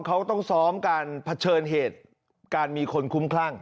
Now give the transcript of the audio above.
เขาต้องสอบการผัดเชิญเหตุการมีคนคุ้มครั่ง